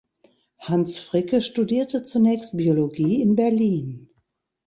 Hans Fricke studierte zunächst Biologie in Berlin.